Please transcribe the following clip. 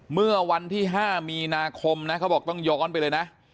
เมื่อวันที่๕มีนาคมนะเขาบอกต้องย้อนไปเลยนะ